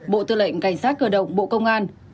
bộ tư lệnh cảnh sát cơ động bộ công an